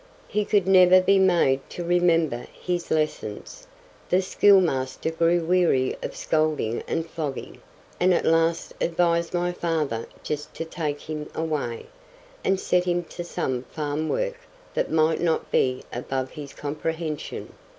He could never be made to remember his lessons; the school master grew weary of scolding and flogging, and at last advised my father just to take him away, and set him to some farm work that might not be above his comprehension.